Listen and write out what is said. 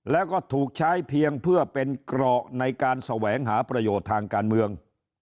แล้วก็ถูกใช้เพียงเพื่อเป็นเกราะในการแสวงหาประโยชน์ทางการเมือง